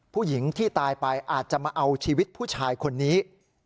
ผู้หญิงที่ตายไปอาจจะมาเอาชีวิตผู้ชายคนนี้